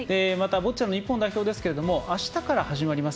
ボッチャの日本代表ですけどあしたから始まります